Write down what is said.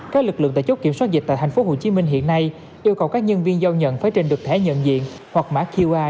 các lực lượng tài chốt kiểm soát dịch tại thành phố hồ chí minh hiện nay yêu cầu các nhân viên giao nhận phải trên được thẻ nhận diện hoặc mã qr